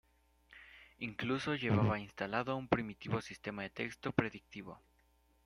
Incluso llevaba instalado un primitivo sistema de texto predictivo.